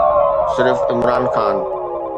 صرف عمران خان.